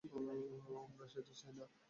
আমরা সেটা চাই না।